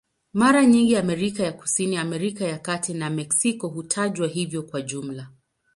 Mara nyingi Amerika ya Kusini, Amerika ya Kati na Meksiko hutajwa hivyo kwa jumla.